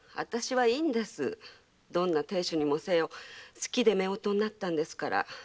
どんな亭主にせよ好きで一緒になったんですから。